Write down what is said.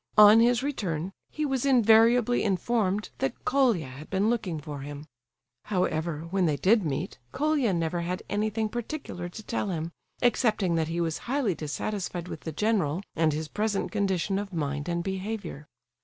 On his return he was invariably informed that Colia had been looking for him. However, when they did meet, Colia never had anything particular to tell him, excepting that he was highly dissatisfied with the general and his present condition of mind and behaviour.